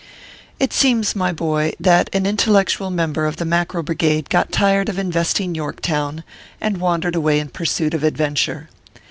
It seems, my boy, that an intellectual member of the Mackerel Brigade got tired of investing Yorktown, and wandered away in pursuit of adventure.